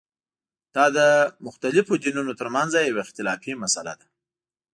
دا د مختلفو دینونو ترمنځه یوه اختلافي مسله ده.